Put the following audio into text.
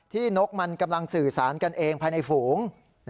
นกมันกำลังสื่อสารกันเองภายในฝูง